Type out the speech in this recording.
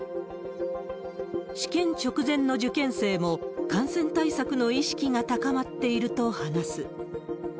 試験直前の受験生も、感染対策の意識が高まっていると話す。